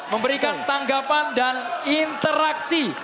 memberikan tanggapan dan interaksi